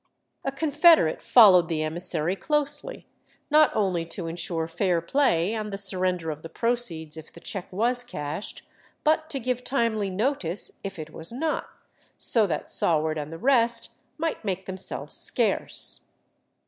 A confederate followed the emissary closely, not only to insure fair play and the surrender of the proceeds if the cheque was cashed, but to give timely notice if it was not, so that Saward and the rest might make themselves scarce.